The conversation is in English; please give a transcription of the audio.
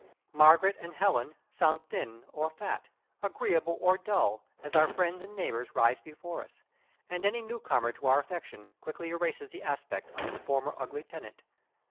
Margaret and Helen sound thin or fat, agreeable or dull, as our friends and neighbors rise before us; and any newcomer to our affection quickly erases the aspect of its former ugly tenant.